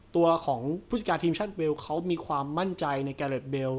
ตัวของผู้จัดการทีมชาติเวลเขามีความมั่นใจในแกเล็ดเบล